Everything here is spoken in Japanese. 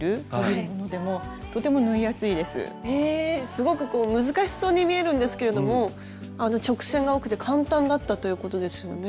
すごくこう難しそうに見えるんですけれども直線が多くて簡単だったということですよね？